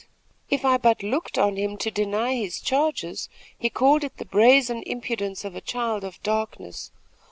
If I but looked on him to deny his charges he called it the brazen impudence of a child of darkness.